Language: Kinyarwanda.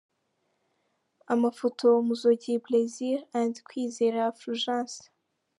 Amafoto: Muzogeye Plaisir & Kwizera Fulgence.